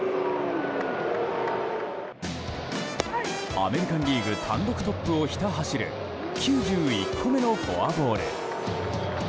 アメリカン・リーグ単独トップをひた走る９１個目のフォアボール。